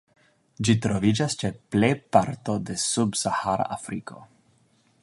Ĝi troviĝas ĉe plej parto de Subsahara Afriko.